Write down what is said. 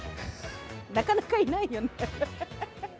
なかなかいないよね。